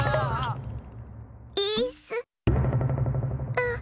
あっ！